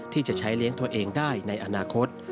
ที่จะใช้เลี้ยงตัวเองได้ในอนาคต